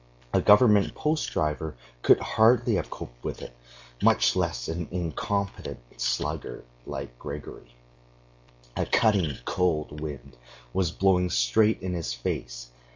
A government post driver could hardly have coped with it, much less an incompetent sluggard like Grigory. A cutting cold wind was blowing straight in his face.